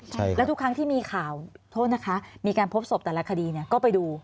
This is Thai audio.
ใช่แล้วทุกครั้งที่มีข่าวโทษนะคะมีการพบศพแต่ละคดีเนี่ยก็ไปดู